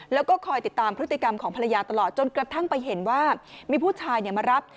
แล้วก็คอยติดตามพฤติกรรมของภรรยาตลอดจนกระทั่งไปเห็นว่ามีผู้ชายมารับ